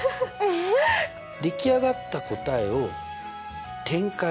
出来上がった答えを展開する。